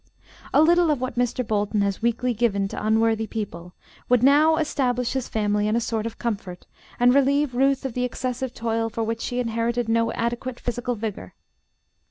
A little of what Mr. Bolton has weakly given to unworthy people would now establish his family in a sort of comfort, and relieve Ruth of the excessive toil for which she inherited no adequate physical vigor.